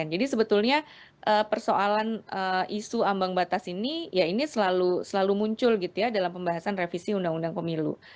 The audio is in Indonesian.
jadi sebetulnya persoalan isu ambang batas ini ya ini selalu muncul gitu ya dalam pembahasan revisi undang undang pemilu